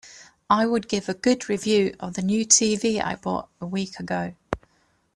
I would give a good review of the new TV I bought a week ago.